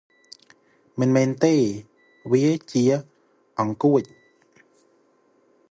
មិនមែនទេ! វាជាអង្កួច។